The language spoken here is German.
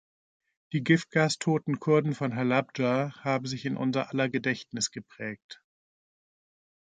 Die giftgastoten Kurden von Hallabja haben sich in unser aller Gedächtnis geprägt.